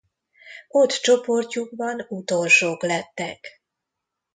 Ott csoportjukban utolsók lettek.